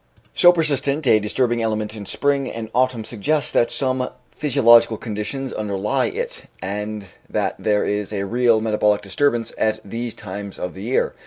So persistent a disturbing element in spring and autumn suggests that some physiological conditions underlie it, and that there is a real metabolic disturbance at these times of the year.